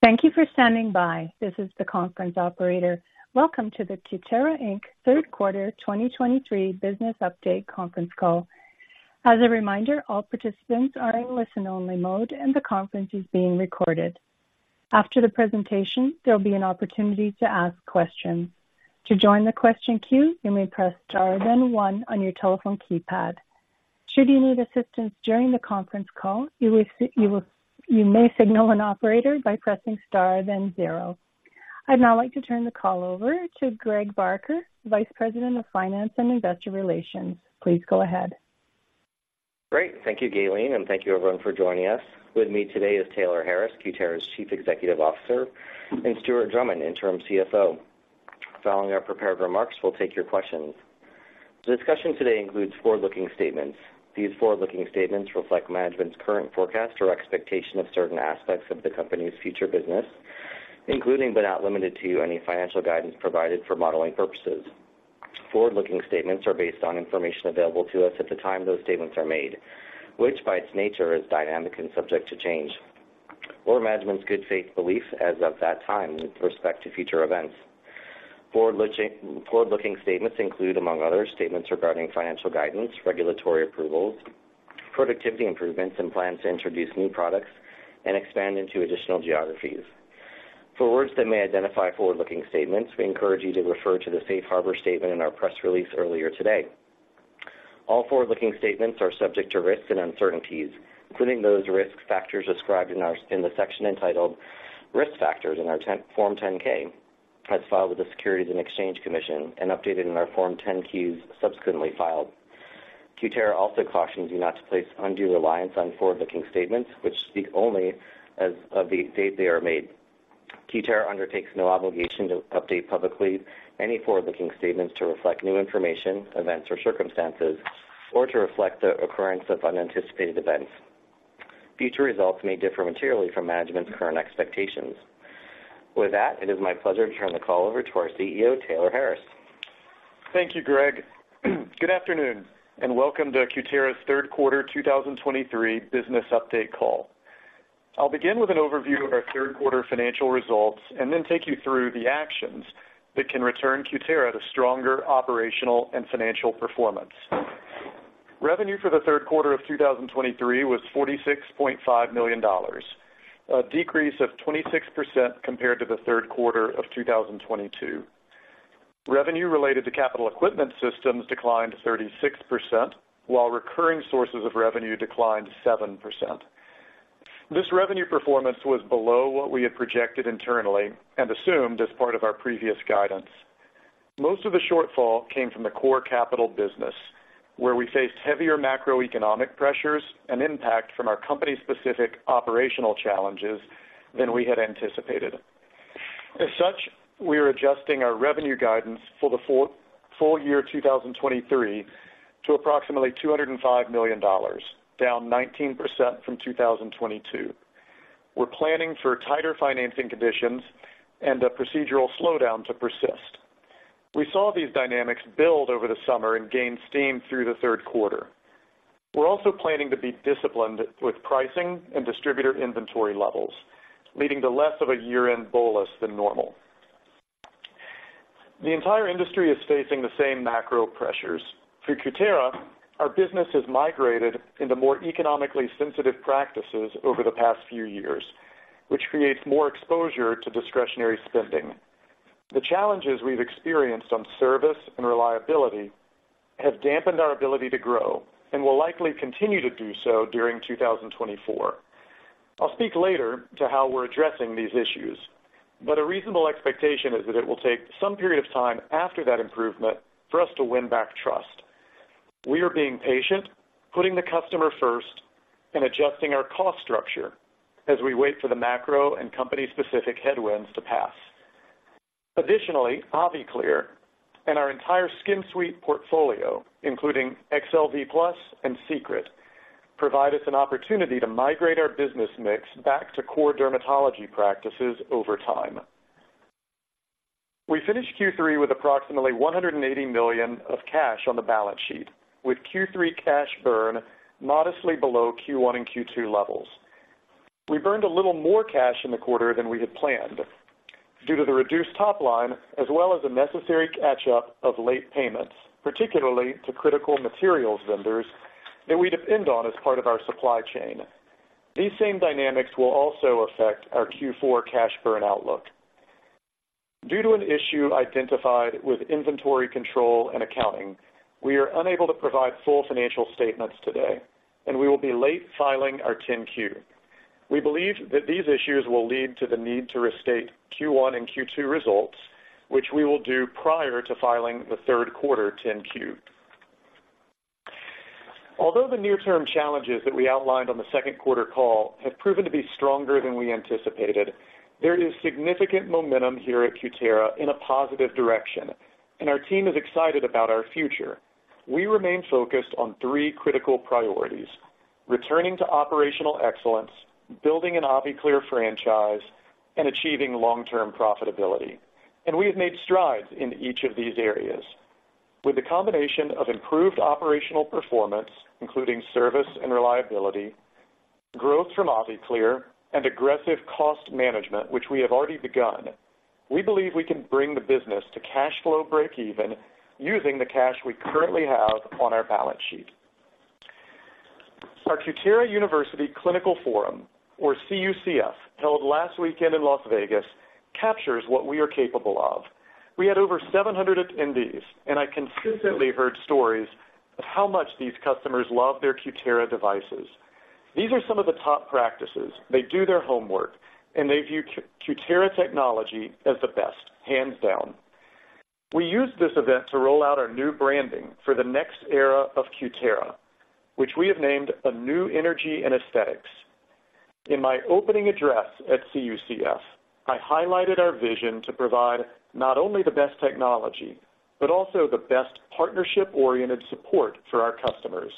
Thank you for standing by. This is the conference operator. Welcome to the Cutera, Inc. Third Quarter 2023 Business Update conference call. As a reminder, all participants are in listen-only mode, and the conference is being recorded. After the presentation, there will be an opportunity to ask questions. To join the question queue, you may press star, then one on your telephone keypad. Should you need assistance during the conference call, you may signal an operator by pressing star, then zero. I'd now like to turn the call over to Greg Barker, Vice President of Finance and Investor Relations. Please go ahead. Great. Thank you, Gaylene, and thank you everyone for joining us. With me today is Taylor Harris, Cutera's Chief Executive Officer, and Stuart Drummond, Interim CFO. Following our prepared remarks, we'll take your questions. The discussion today includes forward-looking statements. These forward-looking statements reflect management's current forecast or expectation of certain aspects of the company's future business, including but not limited to, any financial guidance provided for modeling purposes. Forward-looking statements are based on information available to us at the time those statements are made, which by its nature is dynamic and subject to change, or management's good faith belief as of that time with respect to future events. Forward-looking, forward-looking statements include, among other, statements regarding financial guidance, regulatory approvals, productivity improvements, and plans to introduce new products and expand into additional geographies. For words that may identify forward-looking statements, we encourage you to refer to the safe harbor statement in our press release earlier today. All forward-looking statements are subject to risks and uncertainties, including those risk factors described in the section entitled Risk Factors in our Form 10-K, as filed with the Securities and Exchange Commission and updated in our Form 10-Qs subsequently filed. Cutera also cautions you not to place undue reliance on forward-looking statements, which speak only as of the date they are made. Cutera undertakes no obligation to update publicly any forward-looking statements to reflect new information, events or circumstances, or to reflect the occurrence of unanticipated events. Future results may differ materially from management's current expectations. With that, it is my pleasure to turn the call over to our CEO, Taylor Harris. Thank you, Greg. Good afternoon, and welcome to Cutera's Third Quarter 2023 business update call. I'll begin with an overview of our third quarter financial results and then take you through the actions that can return Cutera to stronger operational and financial performance. Revenue for the third quarter of 2023 was $46.5 million, a decrease of 26% compared to the third quarter of 2022. Revenue related to capital equipment systems declined 36%, while recurring sources of revenue declined 7%. This revenue performance was below what we had projected internally and assumed as part of our previous guidance. Most of the shortfall came from the core capital business, where we faced heavier macroeconomic pressures and impact from our company-specific operational challenges than we had anticipated. As such, we are adjusting our revenue guidance for the full year 2023 to approximately $205 million, down 19% from 2022. We're planning for tighter financing conditions and a procedural slowdown to persist. We saw these dynamics build over the summer and gain steam through the third quarter. We're also planning to be disciplined with pricing and distributor inventory levels, leading to less of a year-end bolus than normal. The entire industry is facing the same macro pressures. For Cutera, our business has migrated into more economically sensitive practices over the past few years, which creates more exposure to discretionary spending. The challenges we've experienced on service and reliability have dampened our ability to grow and will likely continue to do so during 2024. I'll speak later to how we're addressing these issues, but a reasonable expectation is that it will take some period of time after that improvement for us to win back trust. We are being patient, putting the customer first, and adjusting our cost structure as we wait for the macro and company-specific headwinds to pass. Additionally, AviClear and our entire Skin Suite portfolio, including excel V+ and Secret, provide us an opportunity to migrate our business mix back to core dermatology practices over time. We finished Q3 with approximately $180 million of cash on the balance sheet, with Q3 cash burn modestly below Q1 and Q2 levels. We burned a little more cash in the quarter than we had planned due to the reduced top line, as well as a necessary catch-up of late payments, particularly to critical materials vendors that we depend on as part of our supply chain. These same dynamics will also affect our Q4 cash burn outlook. Due to an issue identified with inventory control and accounting, we are unable to provide full financial statements today, and we will be late filing our 10-Q. We believe that these issues will lead to the need to restate Q1 and Q2 results, which we will do prior to filing the third quarter 10-Q. Although the near-term challenges that we outlined on the second quarter call have proven to be stronger than we anticipated, there is significant momentum here at Cutera in a positive direction, and our team is excited about our future. We remain focused on three critical priorities: returning to operational excellence, building an AviClear franchise, and achieving long-term profitability. We have made strides in each of these areas. With the combination of improved operational performance, including service and reliability, growth from AviClear, and aggressive cost management, which we have already begun, we believe we can bring the business to cash flow breakeven using the cash we currently have on our balance sheet. Our Cutera University Clinical Forum, or CUCF, held last weekend in Las Vegas, captures what we are capable of. We had over 700 attendees, and I consistently heard stories of how much these customers love their Cutera devices. These are some of the top practices. They do their homework, and they view Cutera technology as the best, hands down. We used this event to roll out our new branding for the next era of Cutera, which we have named A New Energy in Aesthetics. In my opening address at CUCF, I highlighted our vision to provide not only the best technology, but also the best partnership-oriented support for our customers,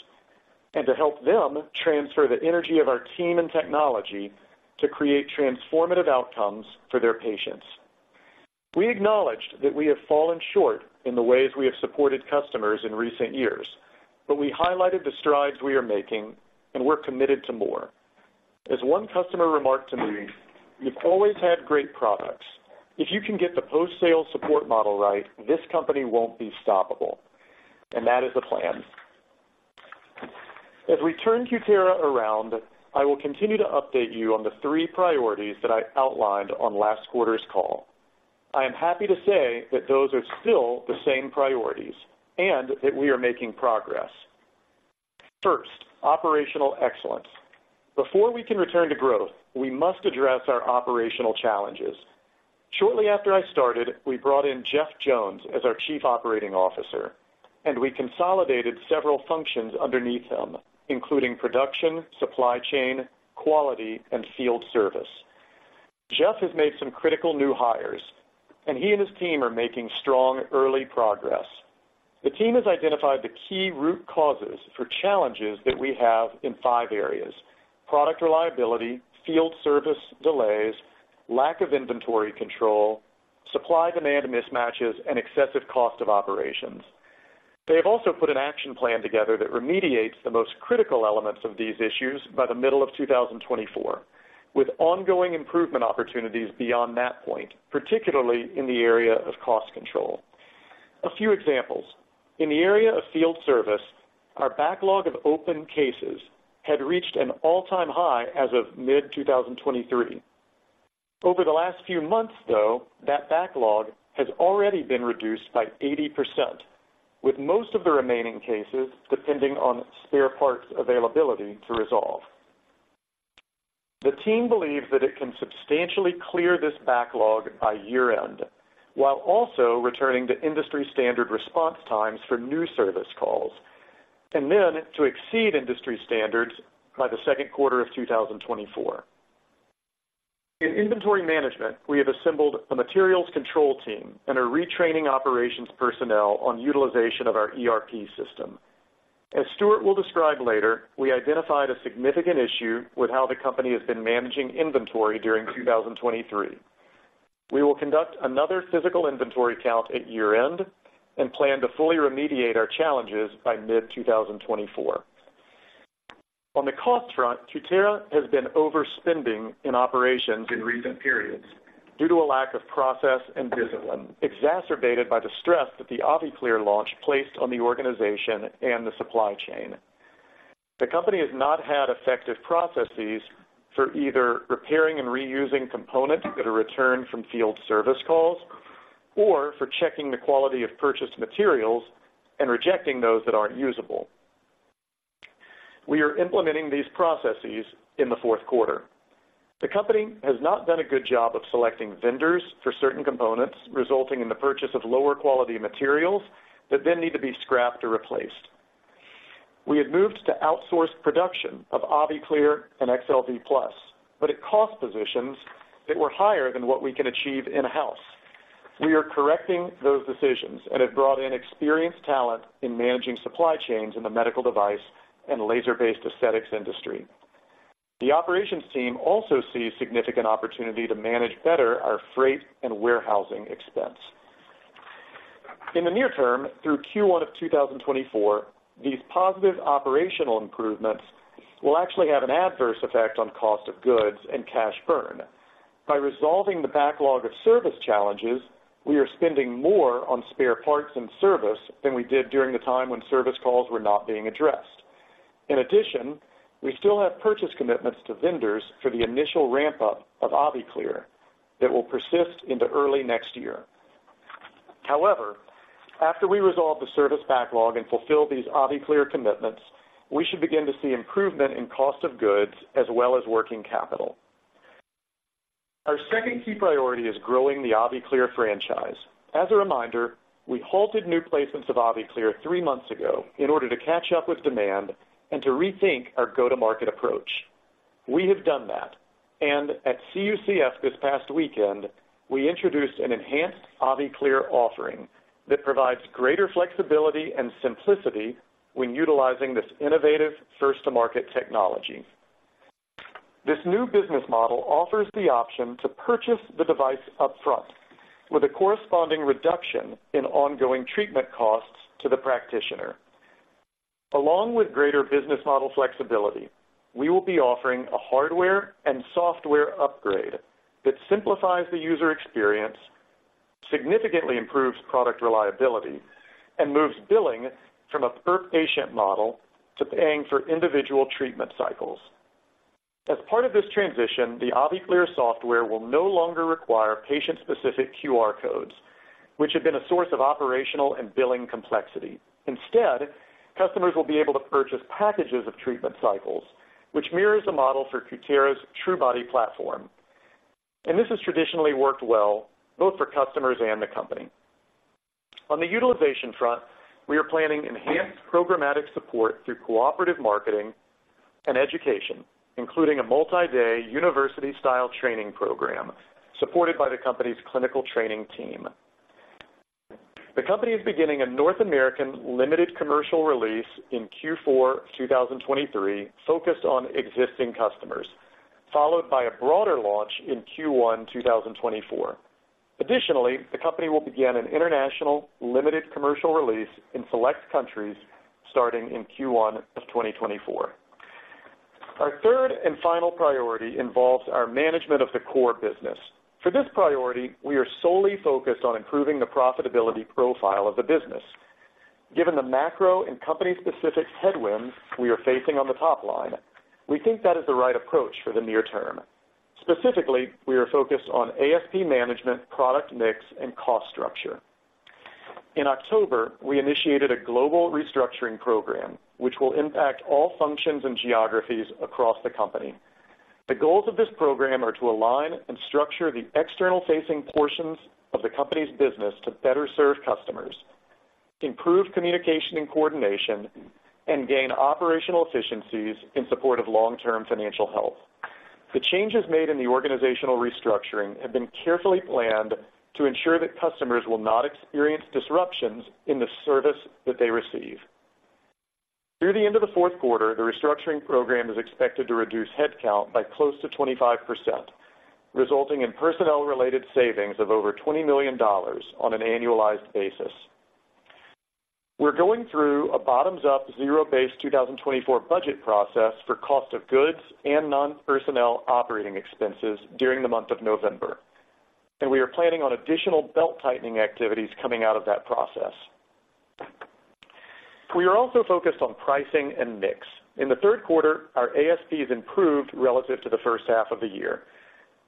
and to help them transfer the energy of our team and technology to create transformative outcomes for their patients. We acknowledged that we have fallen short in the ways we have supported customers in recent years, but we highlighted the strides we are making, and we're committed to more. As one customer remarked to me, "You've always had great products. If you can get the post-sale support model right, this company won't be stoppable," and that is the plan. As we turn Cutera around, I will continue to update you on the three priorities that I outlined on last quarter's call. I am happy to say that those are still the same priorities and that we are making progress. First, operational excellence. Before we can return to growth, we must address our operational challenges. Shortly after I started, we brought in Jeff Jones as our Chief Operating Officer, and we consolidated several functions underneath him, including production, supply chain, quality, and field service. Jeff has made some critical new hires, and he and his team are making strong early progress. The team has identified the key root causes for challenges that we have in five areas: product reliability, field service delays, lack of inventory control, supply-demand mismatches, and excessive cost of operations. They have also put an action plan together that remediates the most critical elements of these issues by the middle of 2024, with ongoing improvement opportunities beyond that point, particularly in the area of cost control. A few examples. In the area of field service, our backlog of open cases had reached an all-time high as of mid-2023. Over the last few months, though, that backlog has already been reduced by 80%, with most of the remaining cases depending on spare parts availability to resolve. The team believes that it can substantially clear this backlog by year-end, while also returning to industry-standard response times for new service calls, and then to exceed industry standards by the second quarter of 2024. In inventory management, we have assembled a materials control team and are retraining operations personnel on utilization of our ERP system. As Stuart will describe later, we identified a significant issue with how the company has been managing inventory during 2023. We will conduct another physical inventory count at year-end and plan to fully remediate our challenges by mid-2024. On the cost front, Cutera has been overspending in operations in recent periods due to a lack of process and discipline, exacerbated by the stress that the AviClear launch placed on the organization and the supply chain. The company has not had effective processes for either repairing and reusing components that are returned from field service calls or for checking the quality of purchased materials and rejecting those that aren't usable. We are implementing these processes in the fourth quarter. The company has not done a good job of selecting vendors for certain components, resulting in the purchase of lower-quality materials that then need to be scrapped or replaced. We had moved to outsource production of AviClear and excel V+, but at cost positions that were higher than what we can achieve in-house. We are correcting those decisions and have brought in experienced talent in managing supply chains in the medical device and laser-based aesthetics industry. The operations team also sees significant opportunity to manage better our freight and warehousing expense. In the near term, through Q1 of 2024, these positive operational improvements will actually have an adverse effect on cost of goods and cash burn. By resolving the backlog of service challenges, we are spending more on spare parts and service than we did during the time when service calls were not being addressed. In addition, we still have purchase commitments to vendors for the initial ramp-up of AviClear that will persist into early next year. However, after we resolve the service backlog and fulfill these AviClear commitments, we should begin to see improvement in cost of goods as well as working capital. Our second key priority is growing the AviClear franchise. As a reminder, we halted new placements of AviClear three months ago in order to catch up with demand and to rethink our go-to-market approach. We have done that, and at CUCF this past weekend, we introduced an enhanced AviClear offering that provides greater flexibility and simplicity when utilizing this innovative first-to-market technology. This new business model offers the option to purchase the device upfront, with a corresponding reduction in ongoing treatment costs to the practitioner. Along with greater business model flexibility, we will be offering a hardware and software upgrade that simplifies the user experience, significantly improves product reliability, and moves billing from a per-patient model to paying for individual treatment cycles. As part of this transition, the AviClear software will no longer require patient-specific QR codes, which have been a source of operational and billing complexity. Instead, customers will be able to purchase packages of treatment cycles, which mirrors the model for Cutera's truBody platform. This has traditionally worked well both for customers and the company. On the utilization front, we are planning enhanced programmatic support through cooperative marketing and education, including a multi-day university-style training program, supported by the company's clinical training team. The company is beginning a North American limited commercial release in Q4, 2023, focused on existing customers, followed by a broader launch in Q1, 2024. Additionally, the company will begin an international limited commercial release in select countries starting in Q1 of 2024. Our third and final priority involves our management of the core business. For this priority, we are solely focused on improving the profitability profile of the business. Given the macro and company-specific headwinds we are facing on the top line, we think that is the right approach for the near term. Specifically, we are focused on ASP management, product mix, and cost structure. In October, we initiated a global restructuring program, which will impact all functions and geographies across the company. The goals of this program are to align and structure the external-facing portions of the company's business to better serve customers, improve communication and coordination, and gain operational efficiencies in support of long-term financial health. The changes made in the organizational restructuring have been carefully planned to ensure that customers will not experience disruptions in the service that they receive. Through the end of the fourth quarter, the restructuring program is expected to reduce headcount by close to 25%, resulting in personnel-related savings of over $20 million on an annualized basis. We're going through a bottoms-up, zero-based 2024 budget process for cost of goods and non-personnel operating expenses during the month of November, and we are planning on additional belt-tightening activities coming out of that process. We are also focused on pricing and mix. In the third quarter, our ASPs improved relative to the first half of the year.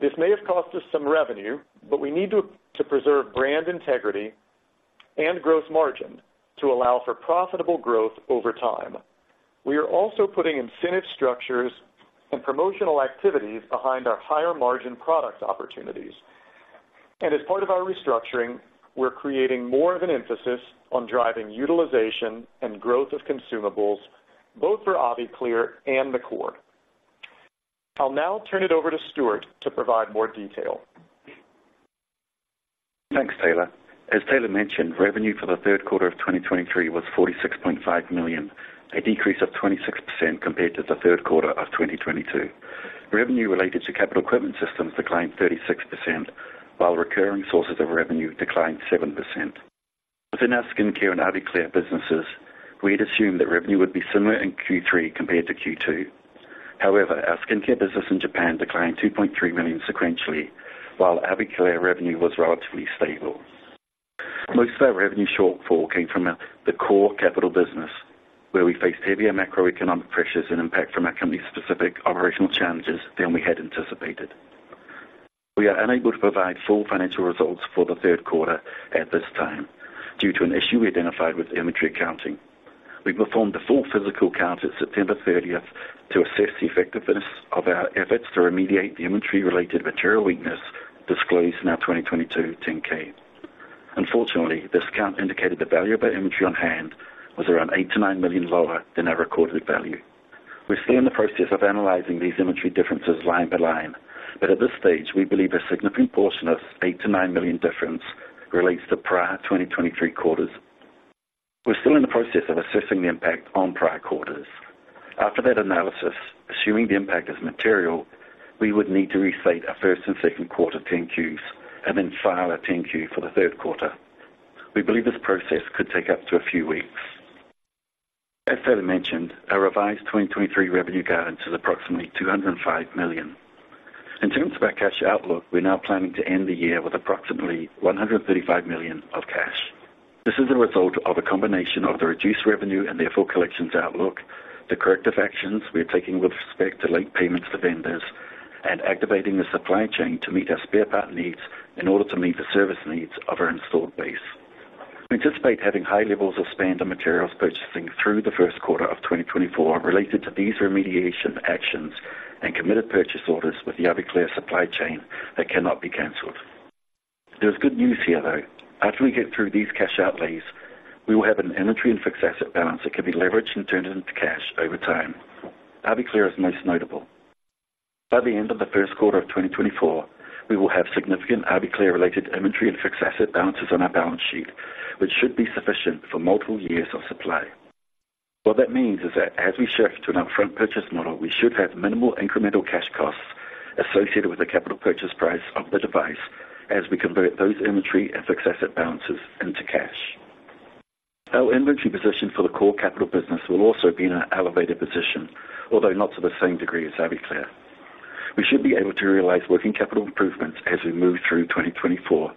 This may have cost us some revenue, but we need to preserve brand integrity and gross margin to allow for profitable growth over time. We are also putting incentive structures and promotional activities behind our higher-margin product opportunities. As part of our restructuring, we're creating more of an emphasis on driving utilization and growth of consumables, both for AviClear and the core. I'll now turn it over to Stuart to provide more detail. Thanks, Taylor. As Taylor mentioned, revenue for the third quarter of 2023 was $46.5 million, a decrease of 26% compared to the third quarter of 2022. Revenue related to capital equipment systems declined 36%, while recurring sources of revenue declined 7%. Within our skincare and AviClear businesses, we'd assumed that revenue would be similar in Q3 compared to Q2. However, our skincare business in Japan declined $2.3 million sequentially, while AviClear revenue was relatively stable. Most of our revenue shortfall came from the core capital business, where we faced heavier macroeconomic pressures and impact from our company-specific operational challenges than we had anticipated. We are unable to provide full financial results for the third quarter at this time due to an issue we identified with inventory accounting. We performed a full physical count at September 30 to assess the effectiveness of our efforts to remediate the inventory-related material weakness disclosed in our 2022 10-K. Unfortunately, this count indicated the value of our inventory on hand was around $8 million-$9 million lower than our recorded value. We're still in the process of analyzing these inventory differences line by line, but at this stage, we believe a significant portion of $8 million-$9 million difference relates to prior 2023 quarters. We're still in the process of assessing the impact on prior quarters. After that analysis, assuming the impact is material, we would need to restate our first and second quarter 10-Qs and then file a 10-Q for the third quarter. We believe this process could take up to a few weeks. As Taylor mentioned, our revised 2023 revenue guidance is approximately $205 million. In terms of our cash outlook, we're now planning to end the year with approximately $135 million of cash. This is a result of a combination of the reduced revenue and therefore collections outlook, the corrective actions we are taking with respect to late payments to vendors, and activating the supply chain to meet our spare part needs in order to meet the service needs of our installed base. We anticipate having high levels of spend on materials purchasing through the first quarter of 2024 related to these remediation actions and committed purchase orders with the AviClear supply chain that cannot be canceled. There's good news here, though. After we get through these cash outlays, we will have an inventory and fixed asset balance that can be leveraged and turned into cash over time. AviClear is most notable. By the end of the first quarter of 2024, we will have significant AviClear-related inventory and fixed asset balances on our balance sheet, which should be sufficient for multiple years of supply. What that means is that as we shift to an upfront purchase model, we should have minimal incremental cash costs associated with the capital purchase price of the device as we convert those inventory and fixed asset balances into cash. Our inventory position for the core capital business will also be in an elevated position, although not to the same degree as AviClear. We should be able to realize working capital improvements as we move through 2024,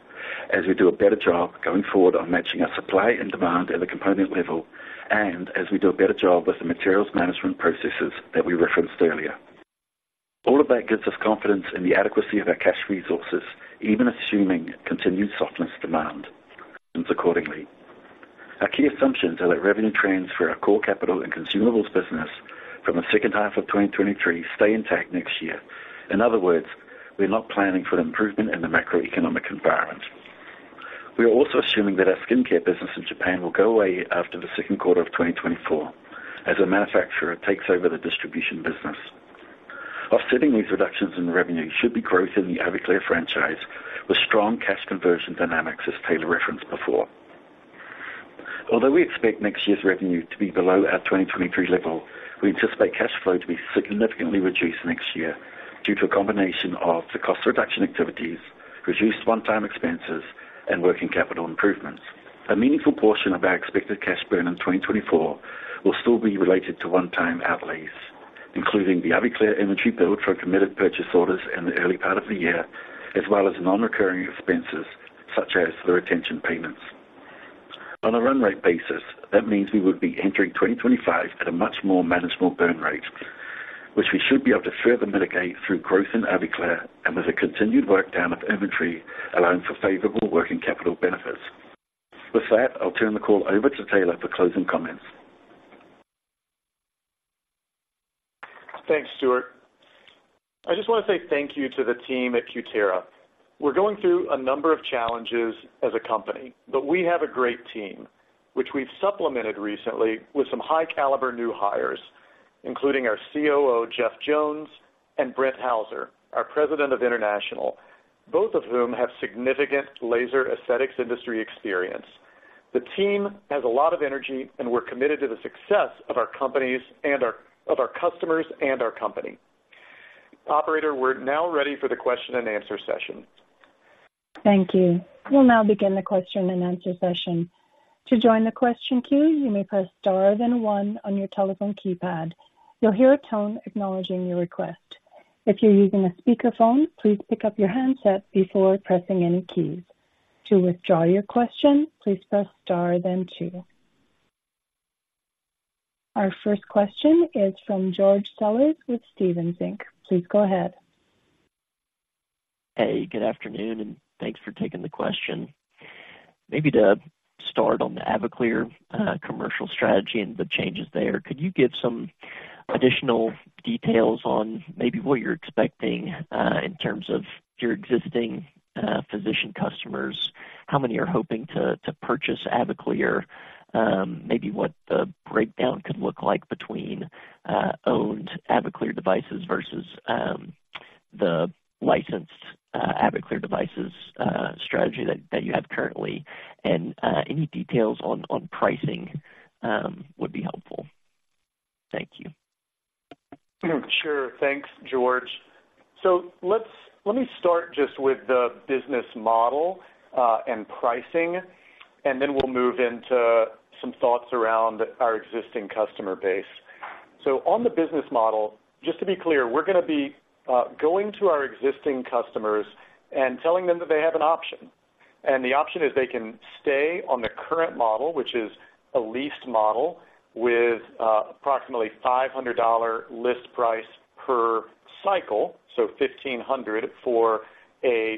as we do a better job going forward on matching our supply and demand at a component level, and as we do a better job with the materials management processes that we referenced earlier. All of that gives us confidence in the adequacy of our cash resources, even assuming continued softness demand accordingly. Our key assumptions are that revenue trends for our core capital and consumables business from the second half of 2023 stay intact next year. In other words, we're not planning for an improvement in the macroeconomic environment. We are also assuming that our skincare business in Japan will go away after the second quarter of 2024 as a manufacturer takes over the distribution business. Offsetting these reductions in revenue should be growth in the AviClear franchise, with strong cash conversion dynamics, as Taylor referenced before. Although we expect next year's revenue to be below our 2023 level, we anticipate cash flow to be significantly reduced next year due to a combination of the cost reduction activities, reduced one-time expenses, and working capital improvements. A meaningful portion of our expected cash burn in 2024 will still be related to one-time outlays, including the AviClear inventory build for committed purchase orders in the early part of the year, as well as non-recurring expenses, such as the retention payments. On a run rate basis, that means we would be entering 2025 at a much more manageable burn rate, which we should be able to further mitigate through growth in AviClear and with a continued work down of inventory, allowing for favorable working capital benefits. With that, I'll turn the call over to Taylor for closing comments. Thanks, Stuart. I just want to say thank you to the team at Cutera. We're going through a number of challenges as a company, but we have a great team, which we've supplemented recently with some high caliber new hires, including our COO, Jeff Jones, and Brent Hauser, our President of International, both of whom have significant laser aesthetics industry experience. The team has a lot of energy, and we're committed to the success of our companies and our customers and our company. Operator, we're now ready for the question and answer session. Thank you. We'll now begin the question and answer session. To join the question queue, you may press Star then one on your telephone keypad. You'll hear a tone acknowledging your request. If you're using a speakerphone, please pick up your handset before pressing any keys. To withdraw your question, please press Star then two. Our first question is from George Sellers with Stephens Inc. Please go ahead. Hey, good afternoon, and thanks for taking the question. Maybe to start on the AviClear commercial strategy and the changes there, could you give some additional details on maybe what you're expecting in terms of your existing physician customers? How many are hoping to purchase AviClear? Maybe what the breakdown could look like between owned AviClear devices versus the licensed AviClear devices strategy that you have currently, and any details on pricing would be helpful. Thank you. Sure. Thanks, George. So let's let me start just with the business model, and pricing, and then we'll move into some thoughts around our existing customer base. So on the business model, just to be clear, we're gonna be going to our existing customers and telling them that they have an option. And the option is they can stay on the current model, which is a leased model with approximately $500 list price per cycle, so $1,500 for a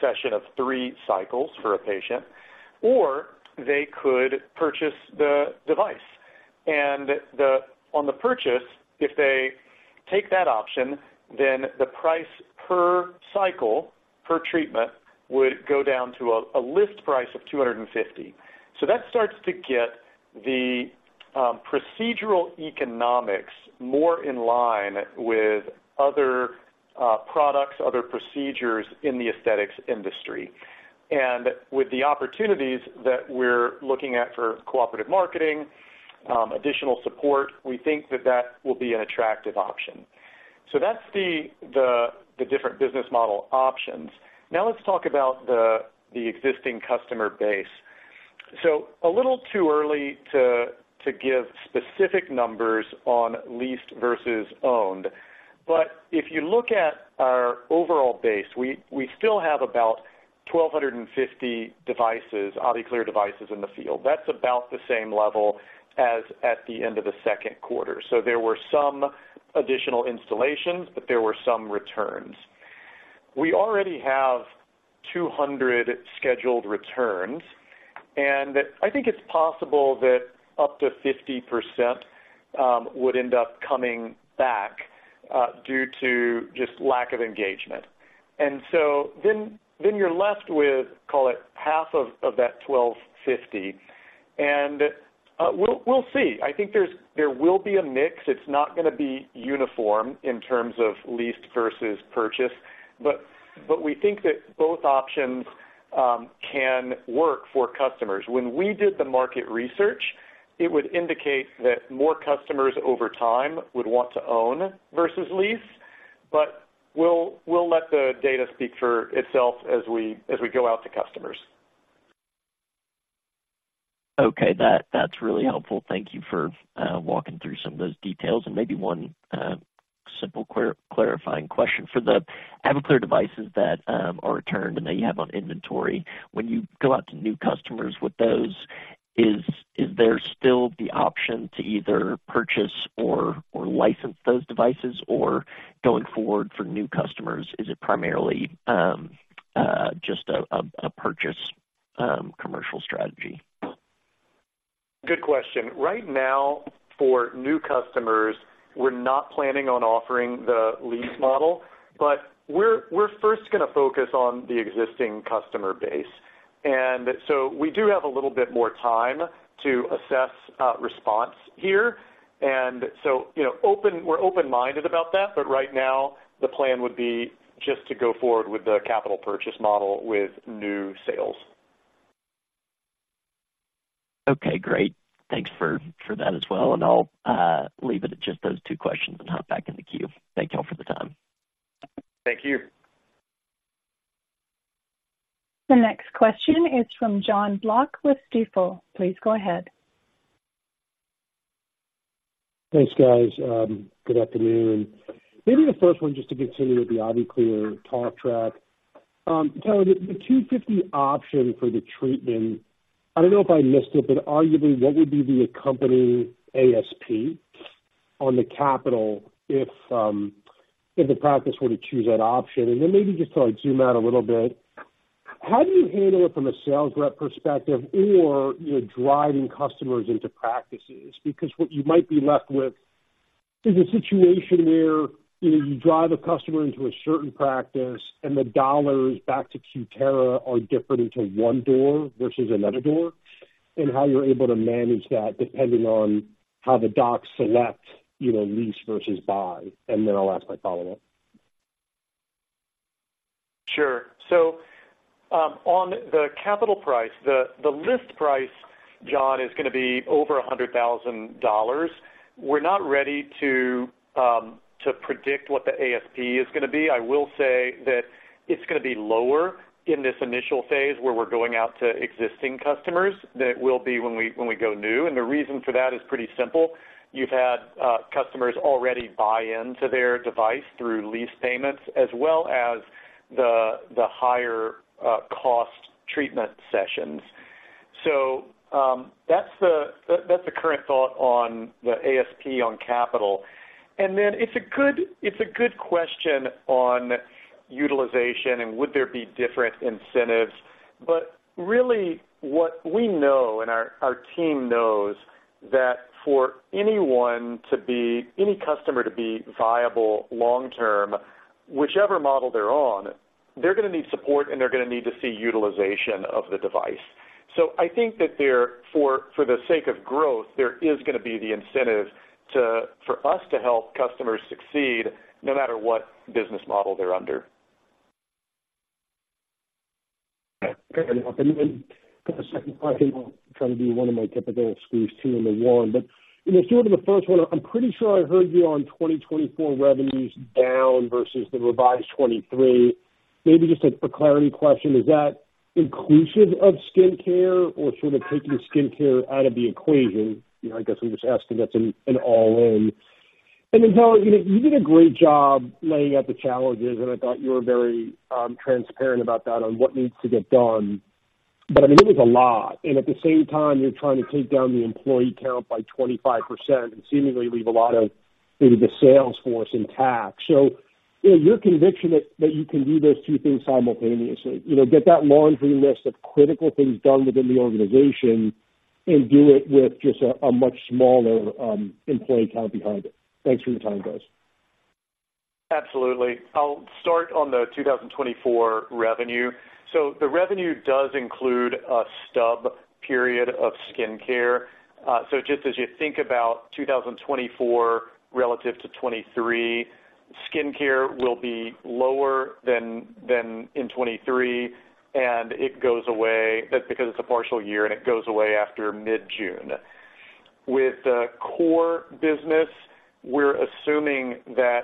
session of 3 cycles for a patient, or they could purchase the device. And the, on the purchase, if they take that option, then the price per cycle, per treatment, would go down to a list price of $250. So that starts to get the procedural economics more in line with other products, other procedures in the aesthetics industry. And with the opportunities that we're looking at for cooperative marketing, additional support, we think that that will be an attractive option. So that's the different business model options. Now let's talk about the existing customer base. So a little too early to give specific numbers on leased versus owned, but if you look at our overall base, we still have about 1,250 devices, AviClear devices in the field. That's about the same level as at the end of the second quarter. So there were some additional installations, but there were some returns. We already have 200 scheduled returns, and I think it's possible that up to 50% would end up coming back due to just lack of engagement. So then you're left with, call it, half of that 1,250, and we'll see. I think there will be a mix. It's not gonna be uniform in terms of leased versus purchase, but. But we think that both options can work for customers. When we did the market research, it would indicate that more customers over time would want to own versus lease, but we'll let the data speak for itself as we go out to customers. Okay, that's really helpful. Thank you for walking through some of those details. And maybe one simple clarifying question. For the AviClear devices that are returned and that you have on inventory, when you go out to new customers with those, is there still the option to either purchase or license those devices? Or going forward for new customers, is it primarily just a purchase commercial strategy? Good question. Right now, for new customers, we're not planning on offering the lease model, but we're first gonna focus on the existing customer base. And so we do have a little bit more time to assess response here. And so, you know, open—we're open-minded about that, but right now, the plan would be just to go forward with the capital purchase model with new sales. Okay, great. Thanks for that as well, and I'll leave it at just those two questions and hop back in the queue. Thank you all for the time. Thank you. The next question is from Jon Block with Stifel. Please go ahead. Thanks, guys. Good afternoon. Maybe the first one, just to continue with the AviClear talk track. So the $250 option for the treatment, I don't know if I missed it, but arguably, what would be the accompanying ASP on the capital if the practice were to choose that option? And then maybe just to, like, zoom out a little bit, how do you handle it from a sales rep perspective or, you know, driving customers into practices? Because what you might be left with is a situation where, you know, you drive a customer into a certain practice and the dollars back to Cutera are different into one door versus another door, and how you're able to manage that depending on how the docs select, you know, lease versus buy. And then I'll ask my follow-up. Sure. So, on the capital price, the list price, John, is gonna be over $100,000. We're not ready to predict what the ASP is gonna be. I will say that it's gonna be lower in this initial phase, where we're going out to existing customers, than it will be when we go new. And the reason for that is pretty simple: You've had customers already buy in to their device through lease payments as well as the higher cost treatment sessions. So, that's the current thought on the ASP on capital. And then it's a good question on utilization and would there be different incentives? But really, what we know and our team knows, that for any customer to be viable long term, whichever model they're on, they're gonna need support, and they're gonna need to see utilization of the device. So I think that there, for the sake of growth, there is gonna be the incentive for us to help customers succeed, no matter what business model they're under. Okay. And then for the second question, I'll try to do one of my typical squeeze two into one. But, you know, sticking to the first one, I'm pretty sure I heard you on 2024 revenues down versus the revised 2023. Maybe just a clarity question, is that inclusive of skin care or sort of taking skin care out of the equation? You know, I guess I'm just asking, that's an all-in. And then, Taylor, you know, you did a great job laying out the challenges, and I thought you were very transparent about that on what needs to get done. But I mean, it was a lot. And at the same time, you're trying to take down the employee count by 25% and seemingly leave a lot of maybe the sales force intact. So in your conviction that, that you can do those two things simultaneously, you know, get that laundry list of critical things done within the organization and do it with just a much smaller employee count behind it. Thanks for your time, guys. Absolutely. I'll start on the 2024 revenue. So the revenue does include a stub period of skin care. So just as you think about 2024 relative to 2023, skin care will be lower than, than in 2023, and it goes away. That's because it's a partial year, and it goes away after mid-June. With the core business, we're assuming that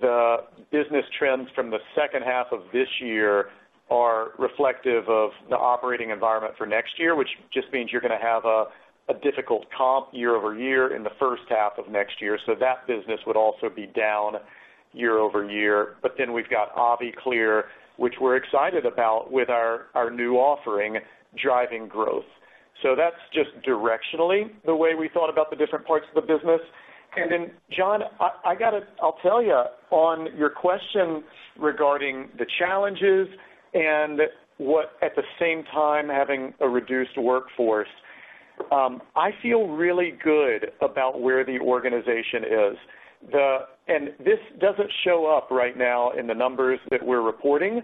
the business trends from the second half of this year are reflective of the operating environment for next year, which just means you're gonna have a, a difficult comp year-over-year in the first half of next year. So that business would also be down year-over-year. But then we've got AviClear, which we're excited about with our, our new offering, driving growth. So that's just directionally the way we thought about the different parts of the business. And then, John, I gotta tell you on your question regarding the challenges and what, at the same time, having a reduced workforce, I feel really good about where the organization is. And this doesn't show up right now in the numbers that we're reporting,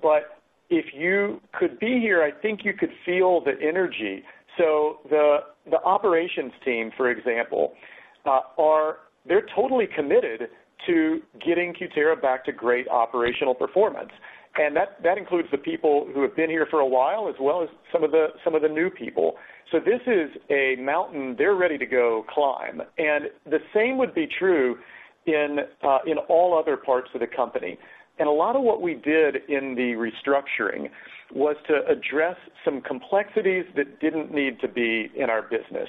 but if you could be here, I think you could feel the energy. So the operations team, for example, are - they're totally committed to getting Cutera back to great operational performance, and that includes the people who have been here for a while, as well as some of the new people. So this is a mountain they're ready to go climb, and the same would be true in all other parts of the company. A lot of what we did in the restructuring was to address some complexities that didn't need to be in our business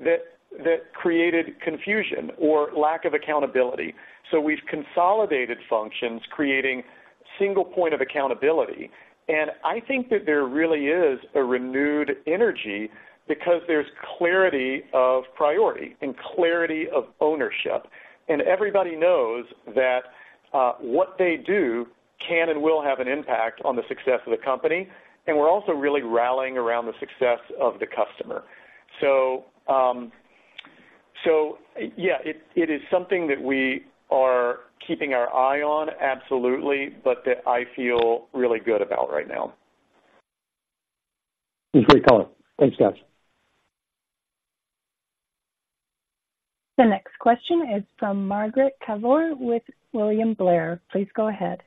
that created confusion or lack of accountability. So we've consolidated functions, creating single point of accountability. And I think that there really is a renewed energy because there's clarity of priority and clarity of ownership. And everybody knows that what they do can and will have an impact on the success of the company, and we're also really rallying around the success of the customer. So, so yeah, it is something that we are keeping our eye on, absolutely, but that I feel really good about right now. It's a great call. Thanks, guys. The next question is from Margaret Kaczor with William Blair. Please go ahead.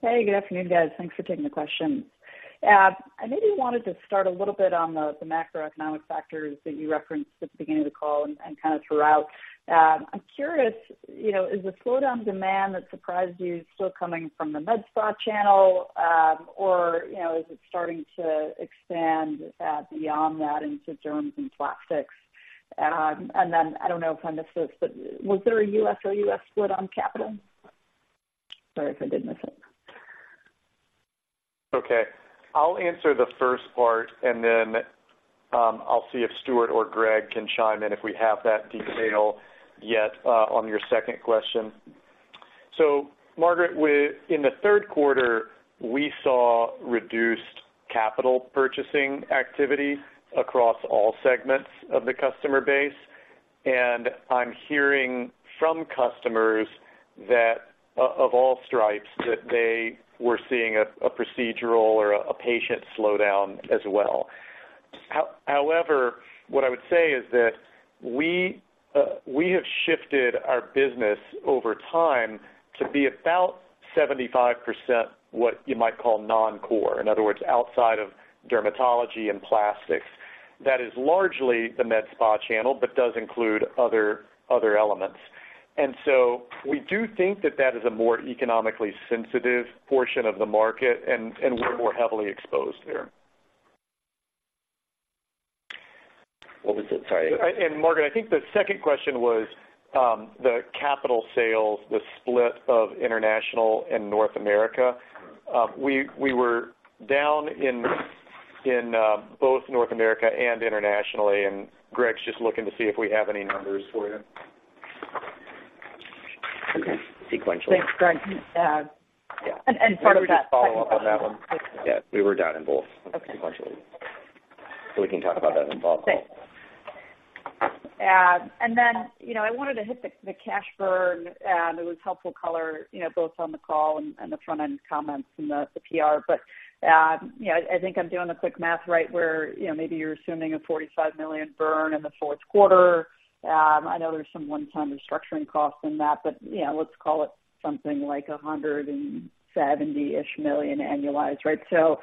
Hey, good afternoon, guys. Thanks for taking the question. I maybe wanted to start a little bit on the, the macroeconomic factors that you referenced at the beginning of the call and, and kind of throughout. I'm curious, you know, is the slowdown demand that surprised you still coming from the med spa channel, or, you know, is it starting to expand, beyond that into derms and plastics? And then I don't know if I missed this, but was there a U.S. or O.U.S. split on capital? Sorry if I did miss it. Okay, I'll answer the first part, and then I'll see if Stuart or Greg can chime in, if we have that detail yet, on your second question. So Margaret, within the third quarter, we saw reduced capital purchasing activity across all segments of the customer base, and I'm hearing from customers that, of all stripes, that they were seeing a procedural or a patient slowdown as well. However, what I would say is that we have shifted our business over time to be about 75%, what you might call non-core. In other words, outside of dermatology and plastics. That is largely the med spa channel, but does include other elements. And so we do think that that is a more economically sensitive portion of the market, and we're more heavily exposed there. What was it? Sorry. Margaret, I think the second question was, the capital sales, the split of international and North America. We were down in both North America and internationally, and Greg's just looking to see if we have any numbers for you. Okay. Sequentially. Thanks, Greg. And part of that- Follow up on that one. Yeah, we were down in both. Okay. Sequentially. So we can talk about that in the call. Thanks. Then, you know, I wanted to hit the cash burn, and it was helpful color, you know, both on the call and the front-end comments and the PR. But, you know, I think I'm doing the quick math right, where, you know, maybe you're assuming a $45 million burn in the fourth quarter. I know there's some one-time restructuring costs in that, but, you know, let's call it something like a $170 million-ish annualized, right? So,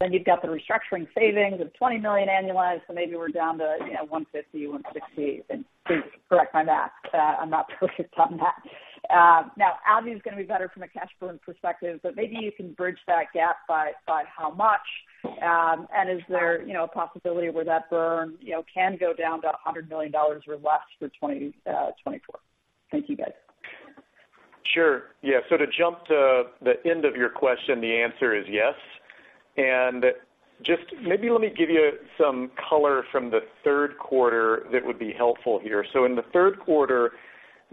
then you've got the restructuring savings of $20 million annualized, so maybe we're down to, you know, $150-$160. And please correct my math. I'm not perfect on that. Now, Avi is going to be better from a cash burn perspective, but maybe you can bridge that gap by how much? Is there, you know, a possibility where that burn, you know, can go down to $100 million or less for 2024? Thank you, guys. Sure. Yeah, so to jump to the end of your question, the answer is yes. And just maybe let me give you some color from the third quarter that would be helpful here. So in the third quarter,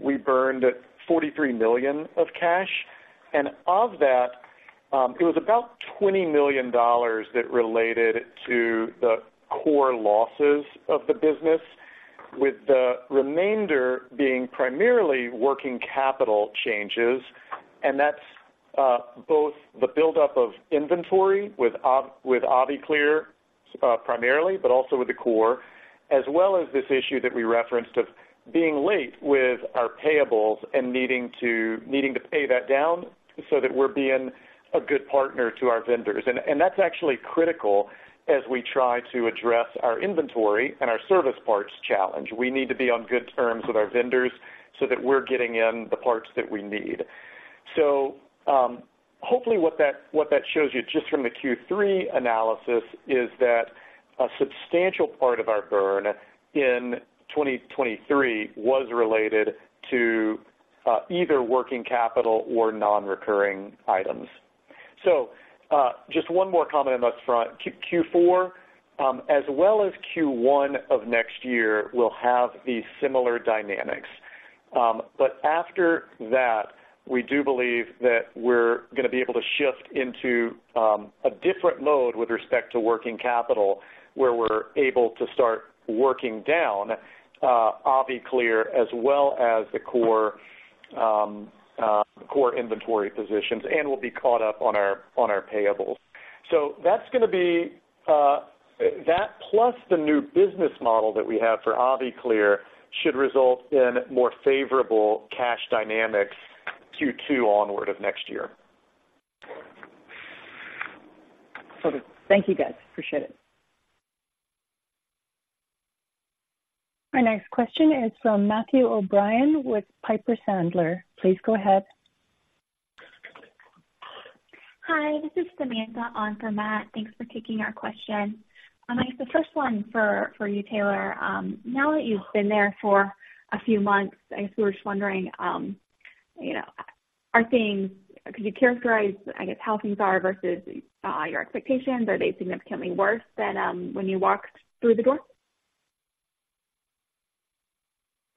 we burned $43 million of cash, and of that, it was about $20 million that related to the core losses of the business, with the remainder being primarily working capital changes. And that's both the buildup of inventory with AviClear, primarily, but also with the core, as well as this issue that we referenced of being late with our payables and needing to pay that down so that we're being a good partner to our vendors. And that's actually critical as we try to address our inventory and our service parts challenge. We need to be on good terms with our vendors so that we're getting in the parts that we need. So, hopefully, what that shows you just from the Q3 analysis is that a substantial part of our burn in 2023 was related to either working capital or non-recurring items. So, just one more comment on that front. Q4, as well as Q1 of next year, will have these similar dynamics. But after that, we do believe that we're gonna be able to shift into a different mode with respect to working capital, where we're able to start working down AviClear, as well as the core core inventory positions, and we'll be caught up on our, on our payables. So that's gonna be that plus the new business model that we have for AviClear should result in more favorable cash dynamics Q2 onward of next year. Okay. Thank you, guys. Appreciate it. Our next question is from Matthew O'Brien with Piper Sandler. Please go ahead. Hi, this is Samantha on for Matt. Thanks for taking our question. I guess the first one for, for you, Taylor. Now that you've been there for a few months, I guess we were just wondering, you know, could you characterize, I guess, how things are versus your expectations? Are they significantly worse than when you walked through the door?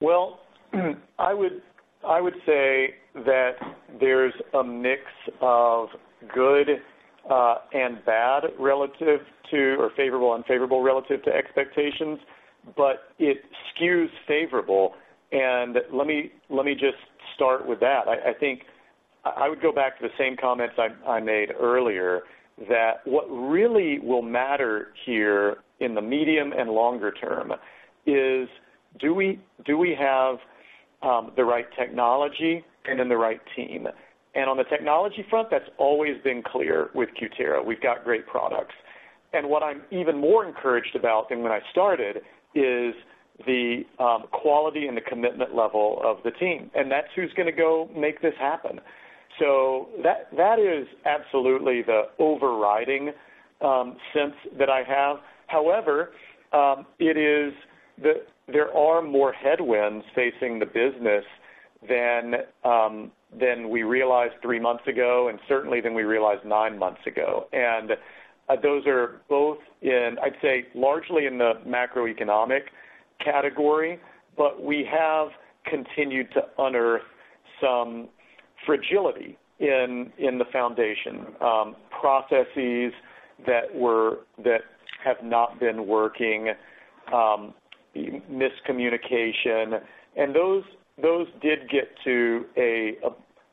Well, I would, I would say that there's a mix of good, and bad relative to or favorable, unfavorable relative to expectations, but it skews favorable. And let me, let me just start with that. I, I think I, I would go back to the same comments I, I made earlier, that what really will matter here in the medium and longer term is do we, do we have, the right technology and then the right team? And on the technology front, that's always been clear with Cutera. We've got great products. And what I'm even more encouraged about than when I started is the, quality and the commitment level of the team, and that's who's gonna go make this happen. So that, that is absolutely the overriding, sense that I have. However, it is the... There are more headwinds facing the business than, than we realized three months ago, and certainly than we realized nine months ago. And those are both in, I'd say, largely in the macroeconomic category, but we have continued to unearth some fragility in, in the foundation, processes that were, that have not been working, miscommunication. And those, those did get to a,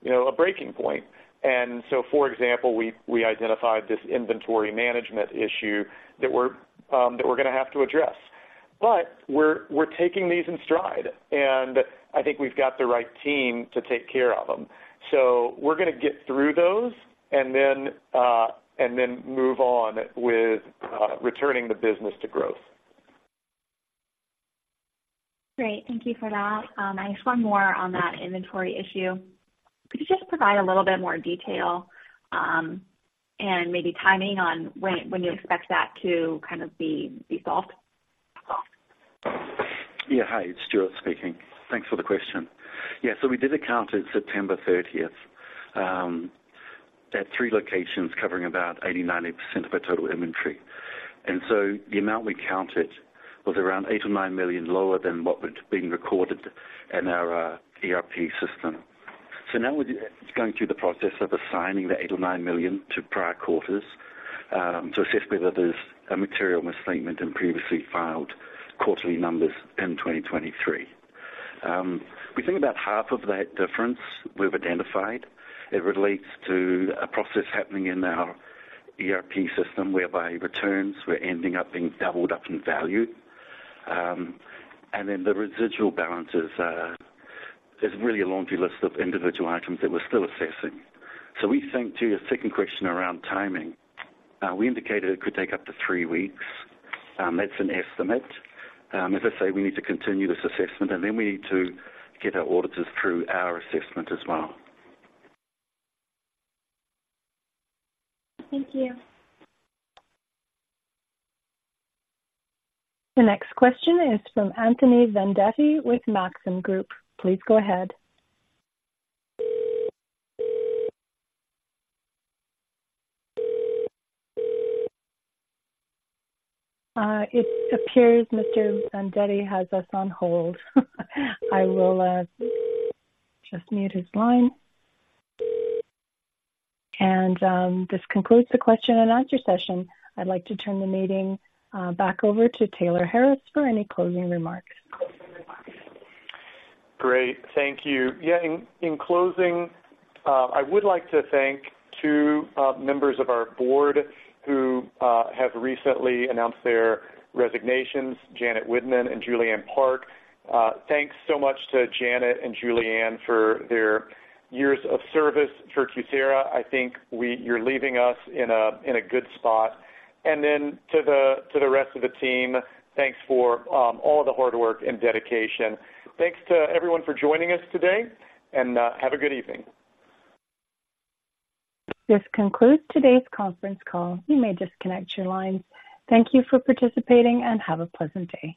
you know, a breaking point. And so, for example, we, we identified this inventory management issue that we're, that we're gonna have to address. But we're, we're taking these in stride, and I think we've got the right team to take care of them. So we're gonna get through those and then, and then move on with, returning the business to growth. Great. Thank you for that. I just one more on that inventory issue. Could you just provide a little bit more detail, and maybe timing on when you expect that to kind of be resolved? Yeah. Hi, it's Stuart speaking. Thanks for the question. Yeah, so we did a count at September 30th, at three locations, covering about 80%-90% of our total inventory. And so the amount we counted was around $8 million-$9 million lower than what was being recorded in our ERP system. So now we're going through the process of assigning the $8 million-$9 million to prior quarters, to assess whether there's a material misstatement in previously filed quarterly numbers in 2023. We think about half of that difference we've identified. It relates to a process happening in our ERP system, whereby returns were ending up being doubled up in value. And then the residual balances, there's really a laundry list of individual items that we're still assessing. So we think to your second question around timing, we indicated it could take up to three weeks. That's an estimate. As I say, we need to continue this assessment, and then we need to get our auditors through our assessment as well. Thank you. The next question is from Anthony Vendetti with Maxim Group. Please go ahead. It appears Mr. Vendetti has us on hold. I will just mute his line. This concludes the question and answer session. I'd like to turn the meeting back over to Taylor Harris for any closing remarks. Great. Thank you. Yeah. In closing, I would like to thank two members of our board who have recently announced their resignations, Janet Widmann and Juliane Park. Thanks so much to Janet and Juliane for their years of service for Cutera. I think you're leaving us in a good spot. And then to the rest of the team, thanks for all the hard work and dedication. Thanks to everyone for joining us today, and have a good evening. This concludes today's conference call. You may disconnect your lines. Thank you for participating and have a pleasant day.